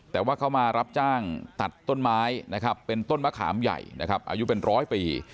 แต่ว่าเขามารับจ้างตัดต้นไม้นะครับเป็นต้นมะขามใหญ่นะครับอายุเป็นร้อยปี